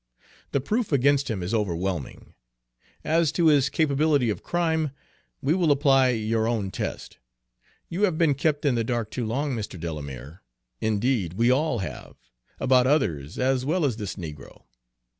The proof against him is overwhelming. As to his capability of crime, we will apply your own test. You have been kept in the dark too long, Mr. Delamere, indeed, we all have, about others as well as this negro.